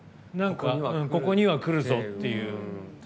ここには来るぞっていう。